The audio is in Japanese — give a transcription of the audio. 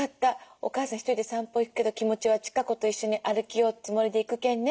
お母さん一人で散歩行くけど気持ちは千香子と一緒に歩きようつもりで行くけんね。